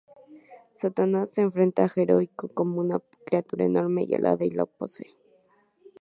Satanás se enfrenta a Jericó como una criatura enorme y alada y lo posee.